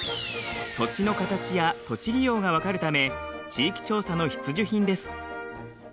土地の形や土地利用が分かるため地域調査の必需品です。